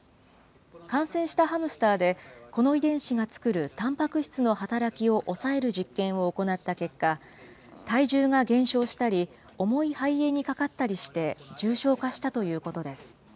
感染したハムスターで、この遺伝子が作るたんぱく質の働きを抑える実験を行った結果、体重が減少したり、重い肺炎にかかったりして重症化したということです。